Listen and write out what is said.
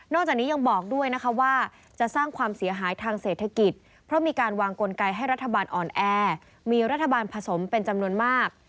จากนี้ยังบอกด้วยนะคะว่าจะสร้างความเสียหายทางเศรษฐกิจเพราะมีการวางกลไกให้รัฐบาลอ่อนแอมีรัฐบาลผสมเป็นจำนวนมาก